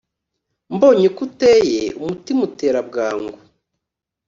mbonye uko uteye umutima utera bwangu